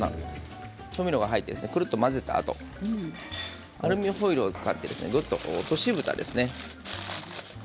調味料が入ってぐるっと混ぜたあとアルミホイルを使ってぐっと落としぶたですね。